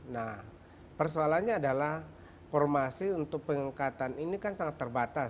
nah persoalannya adalah formasi untuk pengangkatan ini kan sangat terbatas